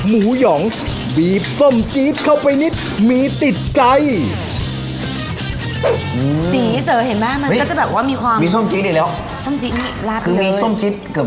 คือมีส้มชิตเกือบทุกเมนูเลยนะครับที่นี่ครับ